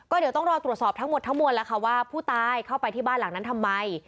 เดี๋ยวต้องรอตรวจสอบทั้งหมดทั้งมวลแล้วค่ะว่าผู้ตายเข้าไปที่บ้านหลังนั้นทำไม